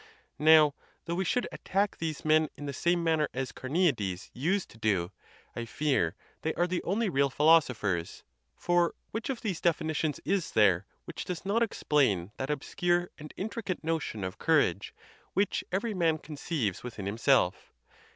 Now, though we should attack these men in the same manner as Carneades used to do, I fear they are the only real philosophers; for which of these definitions is there which does not explain that obscure and intricate notion of courage which every man conceives within himself?